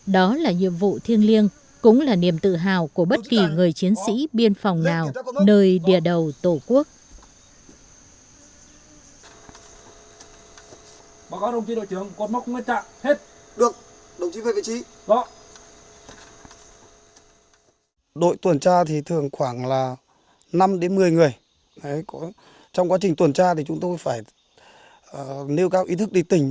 đó là nhiệm vụ thiêng liêng cũng là niềm tự hào của bất kỳ người chiến sĩ biên phòng nào nơi địa đầu tổ quốc